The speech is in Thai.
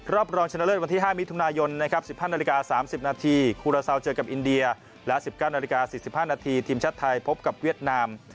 รองชนะเลิศวันที่๕มิถุนายนนะครับ๑๕นาฬิกา๓๐นาทีคูลาซาวเจอกับอินเดียและ๑๙นาฬิกา๔๕นาทีทีมชาติไทยพบกับเวียดนาม